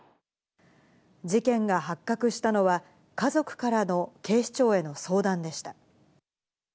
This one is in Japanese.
事件が発覚したのは、家族からの警視庁への相談でした。